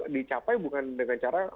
dicapai bukan dengan cara